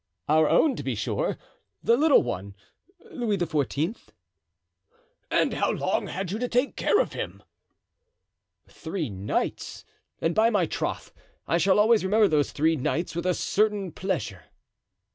"Our own, to be sure, the little one—Louis XIV." "And how long had you to take care of him?" "Three nights; and, by my troth, I shall always remember those three nights with a certain pleasure."